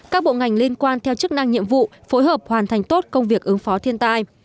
các bộ ngành liên quan theo chức năng nhiệm vụ phối hợp hoàn thành tốt công việc ứng phó thiên tai